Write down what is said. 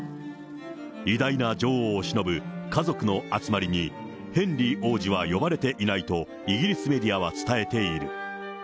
偉大な女王をしのぶ家族の集まりに、ヘンリー王子は呼ばれていないと、イギリスメディアは伝えている。